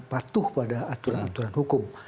patuh pada aturan aturan hukum